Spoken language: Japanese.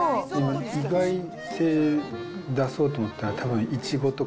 意外性出そうと思ったら、たぶんイチゴとか。